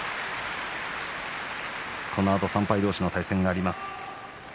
このあと３敗同士の対戦があります。